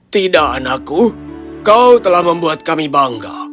tidak anakku kau telah membuat kami bangga